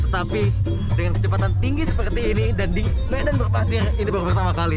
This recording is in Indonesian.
tetapi dengan kecepatan tinggi seperti ini dan di medan berpastir ini baru pertama kali